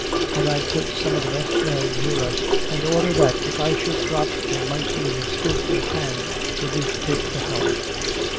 And I put some of the best men near us in order that if I should drop there might be a skilful hand ready to take the helm.